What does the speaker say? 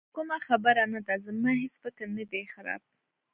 خو کومه خبره نه ده، زما هېڅ فکر نه دی خراب.